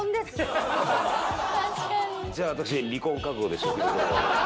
じゃあ私。